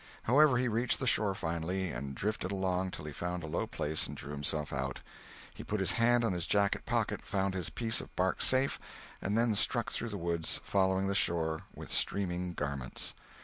However, he reached the shore finally, and drifted along till he found a low place and drew himself out. He put his hand on his jacket pocket, found his piece of bark safe, and then struck through the woods, following the shore, with streaming garments.